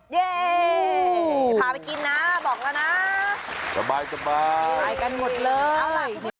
เย้พาไปกินนะบอกแล้วนะสบายสบายกันหมดเลย